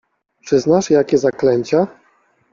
Czy znasz jakie zaklęcia?